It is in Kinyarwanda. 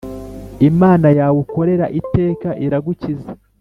Imana yawe ukorera iteka iragukiza